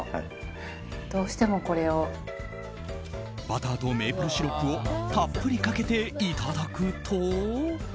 バターとメープルシロップをたっぷりかけていただくと。